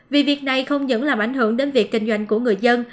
vì việc này không những làm ảnh hưởng đến việc kinh doanh của người dân